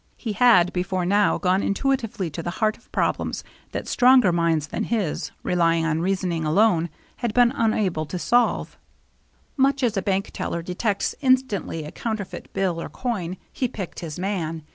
He had, before now, gone intuitively to the heart of problems that stronger minds than his, relying on reasoning alone, had been unable to solve. THE CHASE BEGINS 243 Much as a bank teller detects instantly a coun terfeit bill or coin, he picked his man.